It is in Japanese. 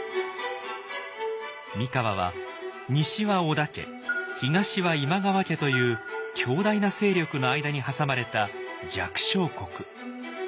三河は西は織田家東は今川家という強大な勢力の間に挟まれた弱小国。